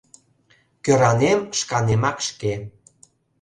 Кöранем шканемак шке